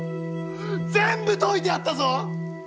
全部解いてやったぞ！